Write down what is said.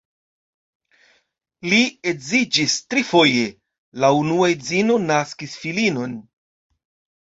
Li edziĝis trifoje, la unua edzino naskis filinon.